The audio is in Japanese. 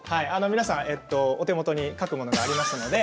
皆さんお手元に書くものがありますので。